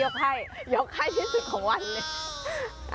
ยกให้ที่สุดของวันเลย